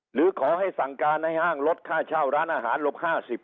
หรือขอให้สั่งการให้ห้างลดค่าเช่าร้านอาหารลบ๕๐